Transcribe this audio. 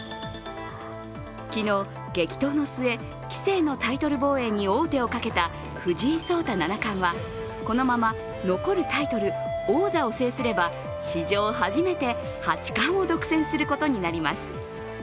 昨日、激闘の末、棋聖のタイトル防衛に王手をかけた藤井聡太七冠はこのまま残るタイトル王座を制すれば、史上初めて八冠を独占することになります。